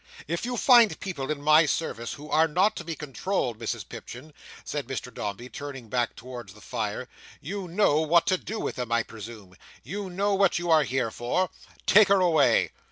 "If you find people in my service who are not to be controlled, Mrs Pipchin," said Mr Dombey, turning back towards the fire, "you know what to do with them, I presume. You know what you are here for? Take her away!"